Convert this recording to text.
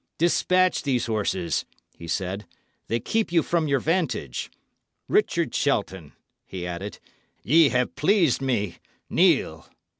"Despatch these horses," he said; "they keep you from your vantage. Richard Shelton," he added, "ye have pleased me. Kneel."